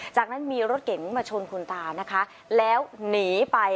จากนั้นมีรถเก๋งมาชนแล้วหนีไป